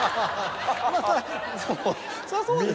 まぁそりゃそうですね。